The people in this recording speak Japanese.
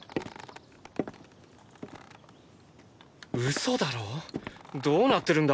嘘だろ⁉どうなってるんだ？